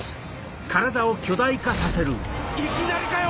いきなりかよ！